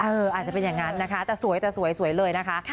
อาจจะเป็นอย่างนั้นนะคะแต่สวยแต่สวยเลยนะคะ